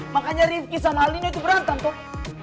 makanya rifqi sama alina itu berantem kok